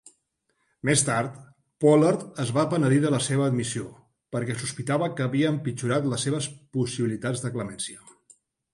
Més tard, Pollard es va penedir de la seva admissió, perquè sospitava que havia empitjorat les seves possibilitats de clemència.